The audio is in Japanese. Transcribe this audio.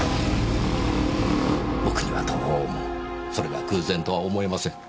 僕にはどうもそれが偶然とは思えません。